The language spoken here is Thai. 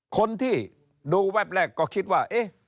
คนที่ดูแว็บแรกก็คิดว่า